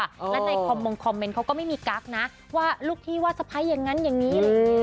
และในคอมเมนต์เขาก็ไม่มีกั๊กนะว่าลูกพี่ว่าสะพ้ายอย่างนั้นอย่างนี้